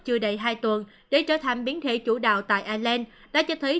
chưa đầy hai tuần để trở thành biến thể chủ đạo tại ireland đã cho thấy